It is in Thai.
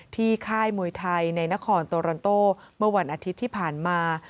ค่ายมวยไทยในนครโตรันโตเมื่อวันอาทิตย์ที่ผ่านมา